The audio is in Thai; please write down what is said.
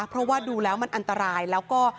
เพราะว่าดูแล้วมันอันตรายแล้วก็